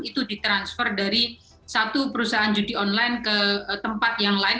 itu ditransfer dari satu perusahaan judi online ke tempat yang lain